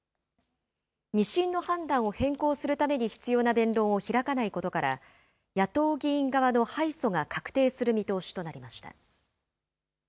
２審の判断を変更するために必要な弁論を開かないことから、野党議員側の敗訴が確定する見通しとなりました。